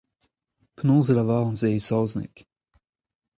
Penaos e lavaran se e saozneg ?